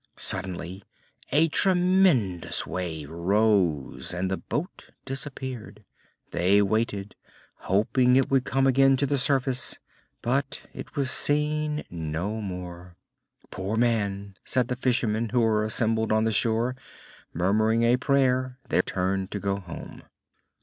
Suddenly a tremendous wave rose and the boat disappeared. They waited, hoping it would come again to the surface, but it was seen no more. "Poor man!" said the fishermen who were assembled on the shore; murmuring a prayer, they turned to go home.